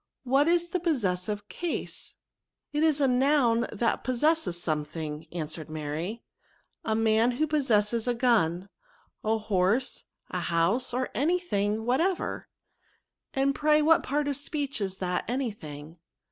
What is the possessive case? ^* It is a noun that possesses something," answered Mary ;" a man who possesses a gun, a horse, a house, or any thing whatever.'* *^ And pray what part of speech is that anything?